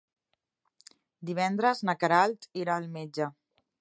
Divendres na Queralt irà al metge.